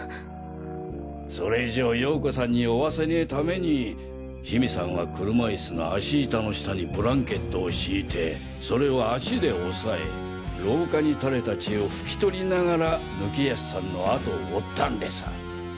それ以上ヨーコさんに追わせねぇ為に緋美さんは車イスの足板の下にブランケットを敷いてそれを足で押さえ廊下に垂れた血を拭き取りながら貫康さんの後を追ったんでさァ。